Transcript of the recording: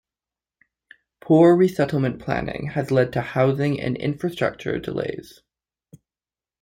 Poor resettlement planning has led to housing and infrastructure delays.